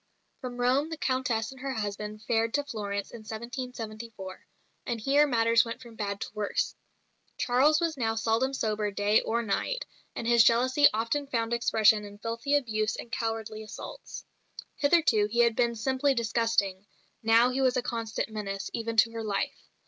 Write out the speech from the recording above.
From Rome the Countess and her husband fared to Florence in 1774; and here matters went from bad to worse. Charles was now seldom sober day or night; and his jealousy often found expression in filthy abuse and cowardly assaults. Hitherto he had been simply disgusting; now he was a constant menace, even to her life.